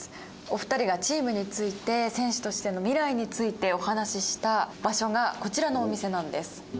お二人がチームについて選手としての未来についてお話しした場所がこちらのお店なんです。